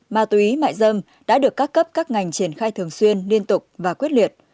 ma túy mại dâm đã được các cấp các ngành triển khai thường xuyên liên tục và quyết liệt